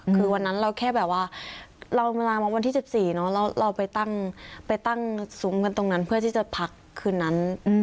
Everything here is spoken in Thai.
คือวันนั้นเราแค่แบบว่าเราเวลามาวันที่๑๔เนอะแล้วเราไปตั้งซุ้มกันตรงนั้นเพื่อที่จะพักคืนนั้น